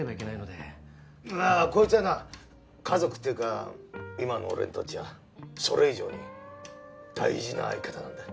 まあこいつはな家族っていうか今の俺にとっちゃそれ以上に大事な相方なんだ。